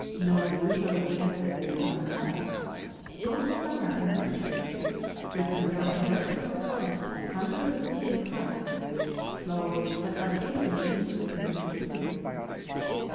known usually as the inland ice, moves summer and winter — with unbroken vertical front, hundreds of :>:)■ True Tales of Arctic Heroism feet in height — slowly but unceasingly into the Green land Sea.